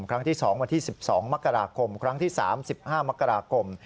ครั้งที่๒วันที่๑๒มกราคมครั้งที่๓๕มกราคม